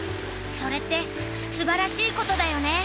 それってすばらしいことだよね。